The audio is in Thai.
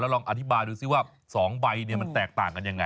ลองอธิบายดูซิว่า๒ใบมันแตกต่างกันยังไง